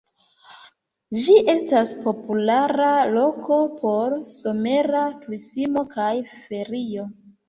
Ĝi estas populara loko por somera turismo kaj ferio.